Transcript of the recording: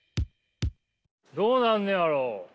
どうなんねやろう？